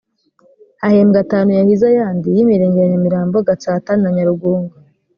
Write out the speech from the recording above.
hahembwa atanu yahize ayandi y’imirenge ya nyamirambo gatsata na nyarugunga